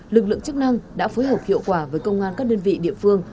lực lượng chức năng đã phối hợp hiệu quả với công an các đơn vị địa phương